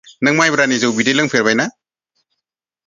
नों माइब्रानि जौ बिदै लोंफेरबायना?